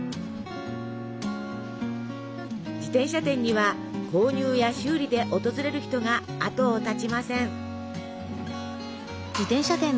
自転車店には購入や修理で訪れる人があとを絶ちません。